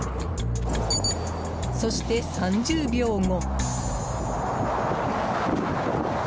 そして、３０秒後。